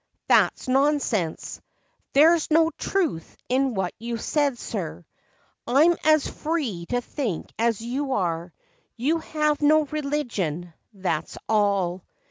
that's nonsense ; There's no truth in what you 've said, sir. I'm as free to think as you are ; You have no religion, that's all.